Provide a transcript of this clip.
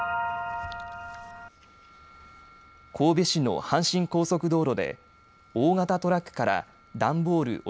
神戸市の阪神高速道路で大型トラックから段ボール